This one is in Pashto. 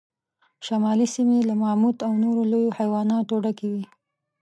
شمالي سیمې له ماموت او نورو لویو حیواناتو ډکې وې.